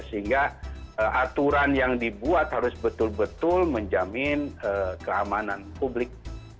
sehingga aturan yang dibuat harus betul betul menjamin keamanan publik